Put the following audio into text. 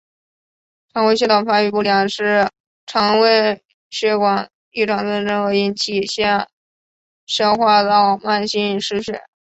肠道血管发育不良是肠道血管异常增生而引起下消化道慢性失血。